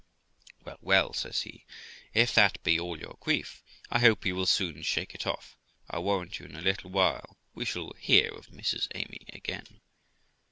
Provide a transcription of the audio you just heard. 'Well, well', says he, 'if that be all your grief, I hope you will soon shake it off; I'll warrant you, in a little while we shall hear of Mrs Amy again.'